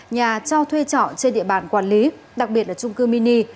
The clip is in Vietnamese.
nhà cho thuê trọ trên địa bàn quản lý đặc biệt là trung cư mini